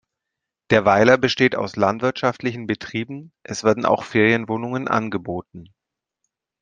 Der Weiler besteht aus landwirtschaftlichen Betrieben, es werden auch Ferienwohnungen angeboten.